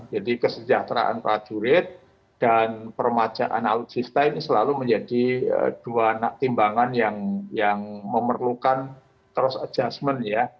jadi kesejahteraan prajurit dan permajaan alutsista ini selalu menjadi dua timbangan yang memerlukan terus adjustment ya